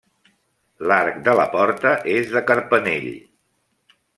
L'arc de la porta és de carpanell.